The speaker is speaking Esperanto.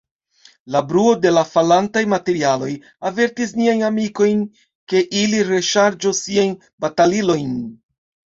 La bruo de la falantaj materialoj avertis niajn amikojn, ke ili reŝargu siajn batalilojn.